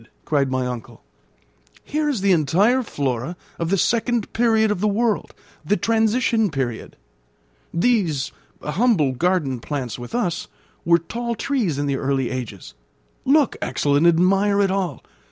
cried my uncle. "Here is the entire flora of the second period of the world the transition period. These, humble garden plants with us, were tall trees in the early ages. Look, Axel, and admire it all.